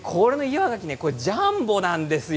こちらジャンボなんですよ。